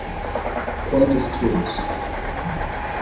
Quantos quilos?